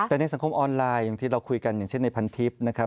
แต่ในสังคมออนไลน์อย่างที่เราคุยกันอย่างเช่นในพันทิพย์นะครับ